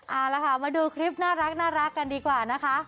เอาละค่ะมาดูคลิปน่ารักกันดีกว่านะคะ